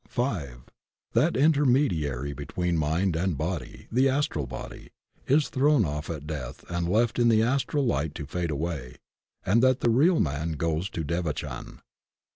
V. That the intermediary between mind and body — the astral body — is thrown off at death and left in the astral light to fade away; and that the real man goes to Devachan.